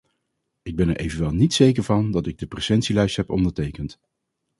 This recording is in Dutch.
Ik ben er evenwel niet zeker van dat ik de presentielijst heb ondertekend.